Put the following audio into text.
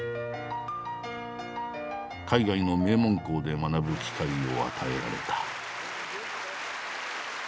海外の名門校で学ぶ機会を与えられた。